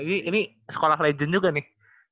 ini sekolah legend juga nih